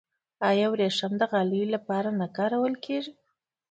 آیا وریښم د غالیو لپاره نه کارول کیږي؟